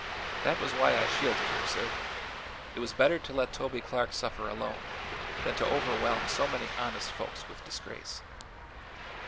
That was why I shielded her, sir; it was better to let Toby Clark suffer alone than to overwhelm so many honest folks with disgrace."